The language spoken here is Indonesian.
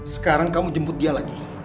sekarang kamu jemput dia lagi